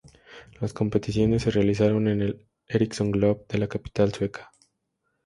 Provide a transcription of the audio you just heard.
Las competiciones se realizaron en el Ericsson Globe de la capital sueca.